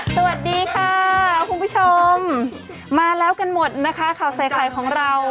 สวัสดีค่ะคุณผู้ชมมาแล้วกันหมดนะคะข่าวใส่ไข่ของเรา